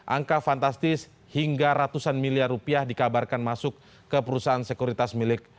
angka fantastis hingga ratusan miliar rupiah dikabarkan masuk ke perusahaan sekuritas milik